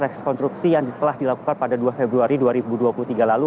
rekonstruksi yang telah dilakukan pada dua februari dua ribu dua puluh tiga lalu